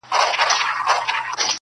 o زه د ابۍ مزدوره، ابۍ د کلي.